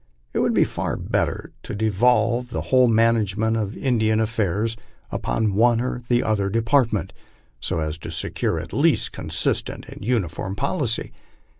It would be far better to devolve the whole management of In dian affairs upon one or the other department, so as to secure at least consistent and uniform poli cy.